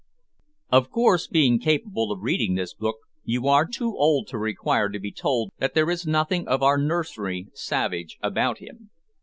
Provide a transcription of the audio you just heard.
Of course, being capable of reading this book, you are too old to require to be told that there is nothing of our nursery savage about him.